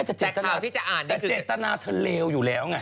แต่เจตนาเธอเลวอยู่แล้วไง